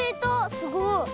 すごい。